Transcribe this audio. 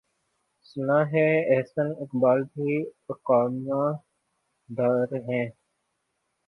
سناہے احسن اقبال بھی اقامہ دارہیں۔